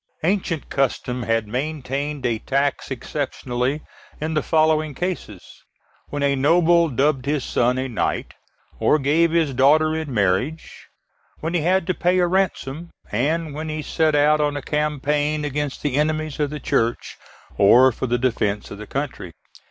Ancient custom had maintained a tax exceptionally in the following cases: when a noble dubbed his son a knight, or gave his daughter in marriage, when he had to pay a ransom, and when he set out on a campaign against the enemies of the Church, or for the defence of the country.